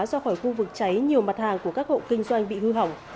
ra khỏi khu vực cháy nhiều mặt hàng của các hộ kinh doanh bị hư hỏng